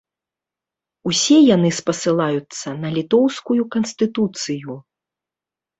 Усе яны спасылаюцца на літоўскую канстытуцыю.